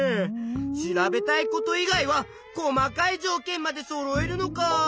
調べたいこと以外は細かいじょうけんまでそろえるのかあ。